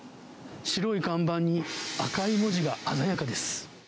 白い看板に赤い文字が鮮やかです。